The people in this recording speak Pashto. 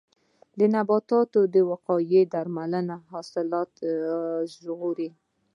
د نباتاتو وقایوي درملنه حاصلات ژغوري.